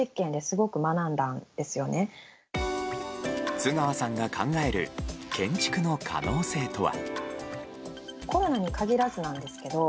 津川さんが考える建築の可能性とは。